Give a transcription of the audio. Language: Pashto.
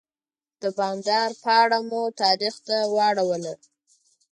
د بانډار پاڼه مو تاریخ ته واړوله.